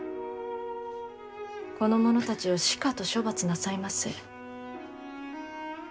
この者たちをしかと処罰なさいませ。